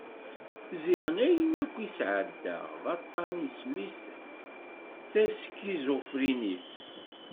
Ziɣen ayen akk i d-sɛeddaɣ d aṭan isem-is taskiẓufrinit.